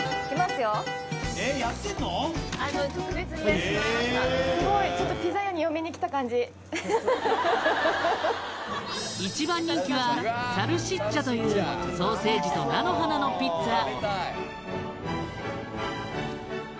すごいちょっと一番人気はサルシッチャというソーセージと菜の花のピッツァ